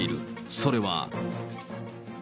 それは。